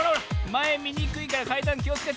まえみにくいからかいだんきをつけて。